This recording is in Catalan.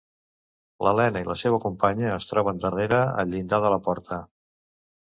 L'Elena i la seua companya es troben darrere, al llindar de la porta.